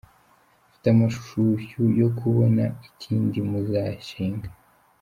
Mfite amashyushyu yo kubona ikindi muzashinga.